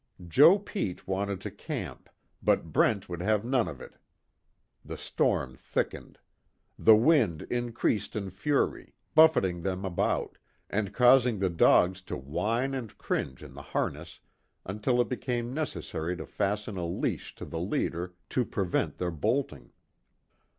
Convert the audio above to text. Joe Pete wanted to camp, but Brent would have none of it. The storm thickened. The wind increased in fury, buffeting them about, and causing the dogs to whine and cringe in the harness until it became necessary to fasten a leash to the leader to prevent their bolting.